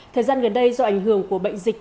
thời gian gần đây do ảnh hưởng của bệnh dịch